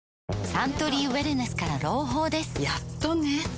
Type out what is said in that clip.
サントリーウエルネスから朗報ですやっとね